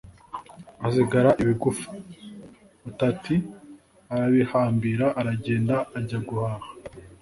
hasigara ibigufa, Butati arabihambira aragenda ajya guhaha.